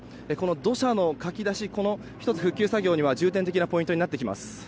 土砂のかき出しが１つ、復旧作業には重点的なポイントになってきます。